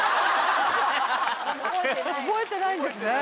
覚えてないんですね。